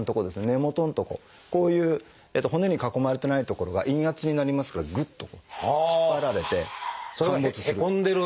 こういう骨に囲まれてない所は陰圧になりますからグッとこう引っ張られて陥没する。